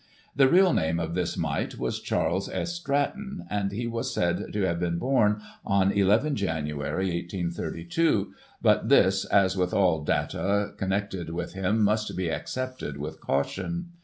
The real name of this mite was Charles S. Stratton, and he was said to have been bom on ii Jan., 1832, but this, as with all data connected with him, must be accepted with caution.